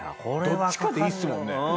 どっちかでいいですもんね。